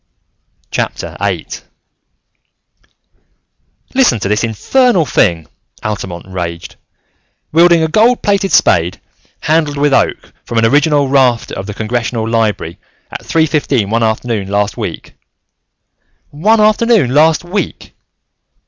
VIII "Listen to this infernal thing!" Altamont raged. "'Wielding a gold plated spade handled with oak from an original rafter of the Congressional Library, at three fifteen one afternoon last week ' One afternoon last week!"